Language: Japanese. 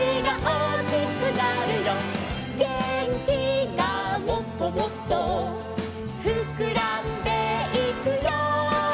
「げんきがもっともっとふくらんでいくよ」